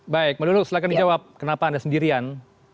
baik mbak nunuk silahkan dijawab kenapa anda sendirian